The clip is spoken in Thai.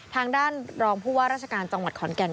ทางด้านรองผู้ว่าราชการจังหวัดขอนแก่น